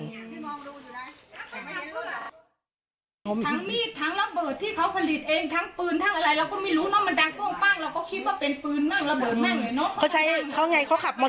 แล้วก็ประโปรนบอกออกมาออกมา